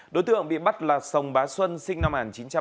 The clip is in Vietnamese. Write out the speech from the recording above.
đối tượng bị bắt là sông bá xuân sinh năm một nghìn chín trăm bảy mươi chín